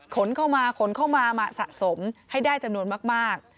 ขนเข้ามาขนเข้ามามาสะสมให้ได้จำนวนมาก